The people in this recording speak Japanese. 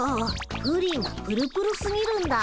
プリンプルプルすぎるんだ。